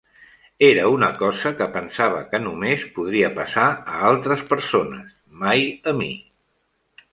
Era una cosa que pensava que només podia passar a altres persones, mai a mi.